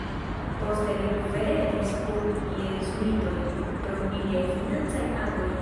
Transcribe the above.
Poste li kverelis kun jezuitoj pro iliaj financaj agoj.